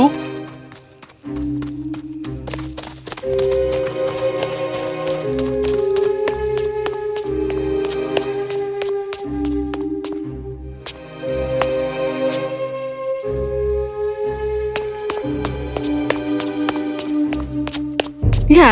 aku tidak akan menginginkanmu